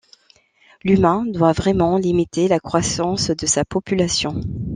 L'humain doit vraiment limiter la croissance de sa population.